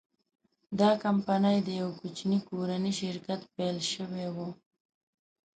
دا کمپنۍ له یوه کوچني کورني شرکت پیل شوې وه.